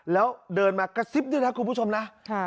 แล้วเดินมากระซิบด้วยนะคุณผู้ชมนะ